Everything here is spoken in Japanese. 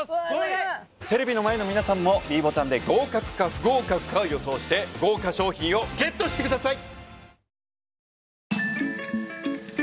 テレビの前の皆さんもｄボタンで合格か不合格かを予想して豪華賞品をＧＥＴしてください！